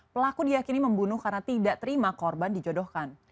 pelaku diakini membunuh karena tidak terima korban dijodohkan